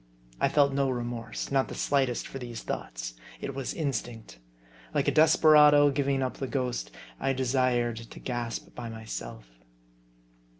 I felt no remorse, not the slightest, for these thoughts. It was instinct. Like a desperado giving up the ghost, I desired to gasp by myself.